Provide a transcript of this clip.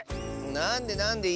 なんでなんで。